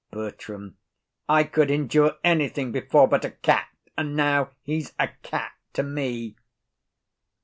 BERTRAM. I could endure anything before but a cat, and now he's a cat to me.